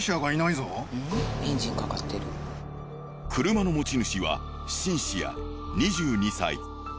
車の持ち主はシンシア２２歳。